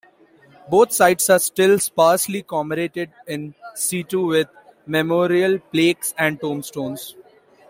Both sites are still sparsely commemorated "in situ" with memorial plaques and tombstones.